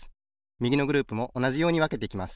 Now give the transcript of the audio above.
みぎのグループもおなじようにわけていきます。